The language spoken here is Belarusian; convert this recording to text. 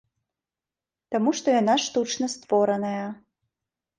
Таму што яна штучна створаная.